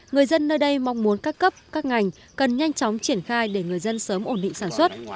người dân nơi đây mong muốn các cấp các ngành cần nhanh chóng triển khai để người dân sớm ổn định sản xuất